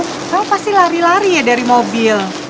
kamu pasti lari lari ya dari mobil